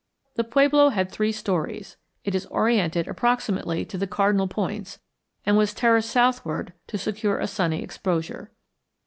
The pueblo had three stories. It is oriented approximately to the cardinal points and was terraced southward to secure a sunny exposure.